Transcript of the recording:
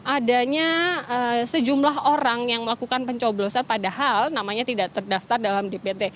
adanya sejumlah orang yang melakukan pencoblosan padahal namanya tidak terdaftar dalam dpt